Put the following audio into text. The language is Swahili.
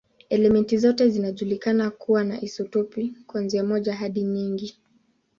Elementi zote zinajulikana kuwa na isotopi, kuanzia moja hadi nyingi.